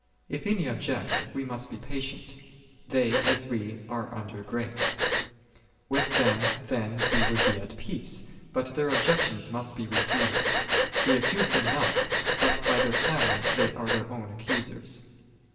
If any ob ject, we must be patient ; they, as we, are under grace, with them then we would be at peace, but their objec tions must be refuted ; we accuse them not, but by their clamour they are their own accusers.